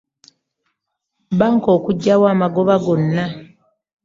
Bbanka okuggyawo amagoba gonna.